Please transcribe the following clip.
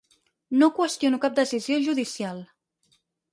No qüestiono cap decisió judicial.